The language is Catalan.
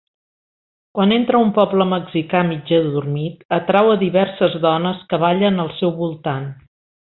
Quan entra a un poble mexicà mig adormit, atrau a diverses dones que ballen al seu voltant.